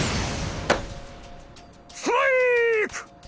ストライーク！